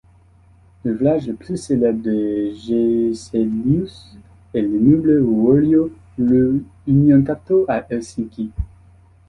L'ouvrage le plus célèbre de Gesellius est l'Immeuble Wuorio rue unionkatu à Helsinki.